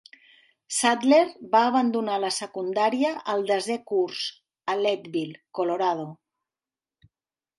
Sadler va abandonar la secundària al desè curs a Leadville, Colorado.